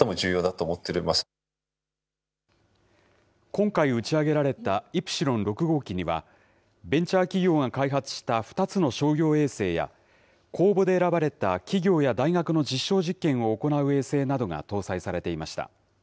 今回、打ち上げられたイプシロン６号機には、ベンチャー企業が開発した２つの商業衛星や公募で選ばれた企業や大学の実証実験を行う衛星などが搭載されていました。